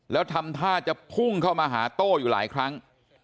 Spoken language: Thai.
แล้วทำท่าจะพุ่งเข้ามาหาโต้อยู่หลายครั้ง